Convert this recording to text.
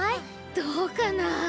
どうかなあ。